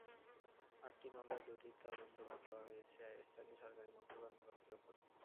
আটটি মামলার দুটির তদন্তভার দেওয়া হয়েছে স্থানীয় সরকারি মৎস্য কর্মকর্তার ওপর।